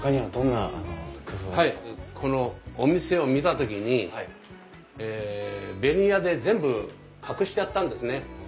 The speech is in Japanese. このお店を見た時にベニヤで全部隠してあったんですね。